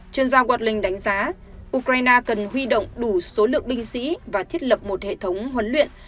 chuyên gia wardling đánh giá ukraine cần huy động đủ số lượng binh sĩ và thiết lập một hệ thống huấn luyện